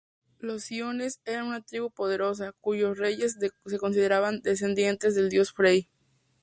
Los suiones eran una tribu poderosa, cuyos reyes se consideraban descendientes del dios Frey.